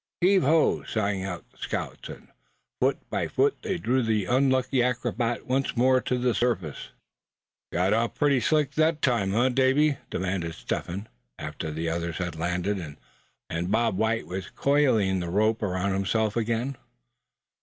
"Heave ho!" sang out the scouts, and foot by foot they drew the unlucky acrobat once more to the surface. "Got off pretty slick that time, eh, Davy?" demanded Step Hen, after the other had been landed, and Bob White was coiling the rope around himself again.